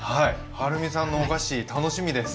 はるみさんのお菓子楽しみです。